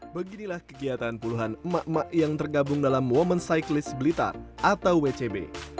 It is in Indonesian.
beginilah kegiatan puluhan emak emak yang tergabung dalam women cyclist blitar atau wcb